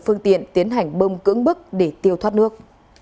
phương tiện tiến hành bơm cưỡng bức để tiêu thoát nước